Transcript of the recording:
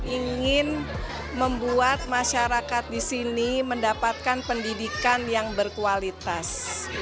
ingin membuat masyarakat disini mendapatkan pendidikan yang berkualitas